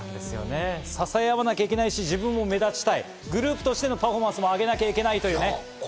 支え合わなきゃいけないし、自分も目立ちたい、グループのパフォーマンスも上げなきゃいけない。